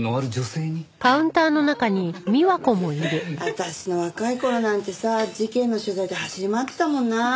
私の若い頃なんてさ事件の取材で走り回ってたもんなあ。